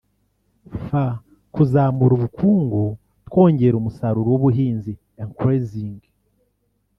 f) Kuzamura ubukungu twongera umusaruro w’ubuhinzi (Increasing